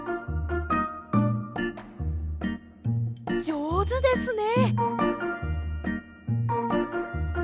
じょうずですね！